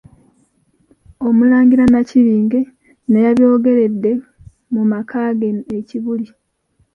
Omulangira Nakibinge, bino yabyogeredde mu makaage e Kibuli